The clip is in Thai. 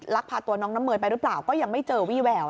พาตัวน้องน้ำเมยไปหรือเปล่าก็ยังไม่เจอวี่แวว